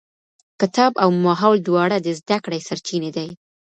کتاب او ماحول دواړه د زده کړې سرچينې دي.